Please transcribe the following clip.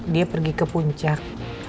dia pergi ke puncak